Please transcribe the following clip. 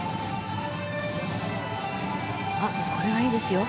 これはいいですよ。